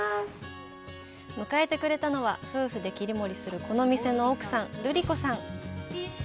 迎えてくれたのは、夫婦で切り盛りするこの店の奥さん、るり子さん。